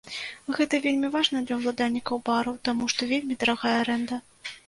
Гэта вельмі важна для уладальнікаў бараў, таму што вельмі дарагая арэнда.